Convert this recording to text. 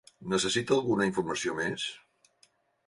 Necessita alguna informació més?